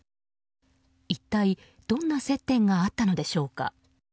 一体どんな接点があったのでしょうか。